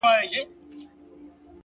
پرون دي بيا راڅه خوښي يووړله،